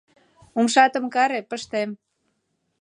— Умшатым каре — пыштем!